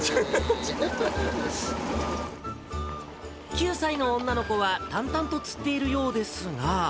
９歳の女の子は淡々と釣っているようですが。